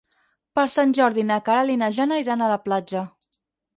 Per Sant Jordi na Queralt i na Jana iran a la platja.